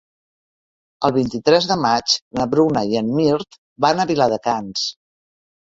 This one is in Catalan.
El vint-i-tres de maig na Bruna i en Mirt van a Viladecans.